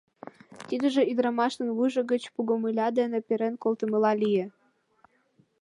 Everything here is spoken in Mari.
Тидыже ӱдырамашлан вуйжо гыч пугомыля дене перен колтымыла лие.